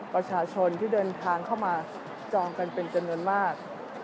ประชาชนที่เดินทางเข้ามาจองกันเป็นจำนวนมาก